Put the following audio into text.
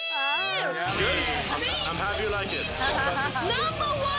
ナンバーワン！